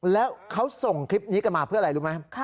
แล้วเขาส่งคลิปนี้กันมาเพื่ออะไรรู้ไหม